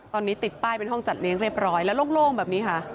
ตอนนี้ติดป้ายเป็นห้องจัดเลี้ยงเรียบร้อยแล้วโล่งแบบนี้ค่ะ